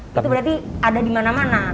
itu berarti ada dimana mana